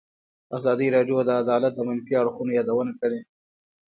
ازادي راډیو د عدالت د منفي اړخونو یادونه کړې.